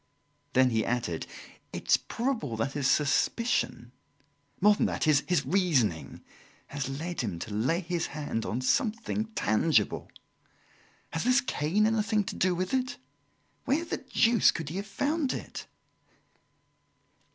Then he added: "It is probable that his suspicion more than that, his reasoning has led him to lay his hand on something tangible. Has this cane anything to do with it? Where the deuce could he have found it?"